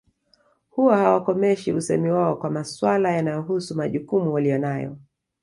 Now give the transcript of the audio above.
Huwa hawakomeshi usemi wao kwa maswala yanayohusu majukumu waliyo nayo